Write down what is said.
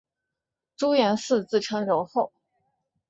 朱延嗣自称留后。